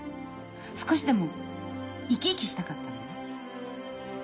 少しでも生き生きしたかったの。